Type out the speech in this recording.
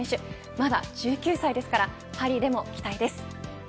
まだ１９歳ですからパリでも期待です。